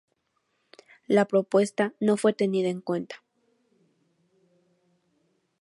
La propuesta no fue tenida en cuenta.